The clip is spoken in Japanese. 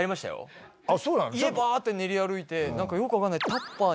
家バって練り歩いて何かよく分かんない。